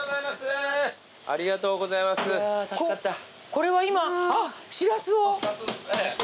これは今しらすを？